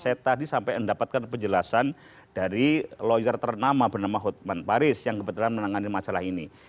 saya tadi sampai mendapatkan penjelasan dari lawyer ternama bernama hotman paris yang kebetulan menangani masalah ini